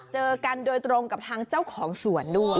เจอกันโดยตรงกับทางเจ้าของสวนด้วย